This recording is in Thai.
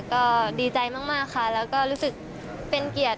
ก็ดีใจมากค่ะแล้วก็รู้สึกเป็นเกียรติ